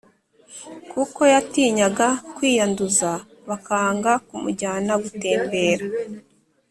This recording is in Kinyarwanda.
kuko yatinyaga kwiyanduza bakanga kumujyana gutembera